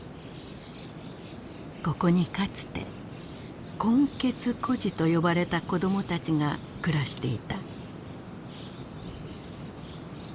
ここにかつて「混血孤児」とよばれた子どもたちが暮らしていた。